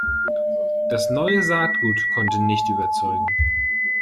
Das neue Saatgut konnte nicht überzeugen.